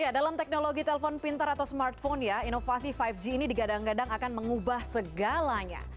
dalam teknologi telpon pintar atau smartphone ya inovasi lima g ini digadang gadang akan mengubah segalanya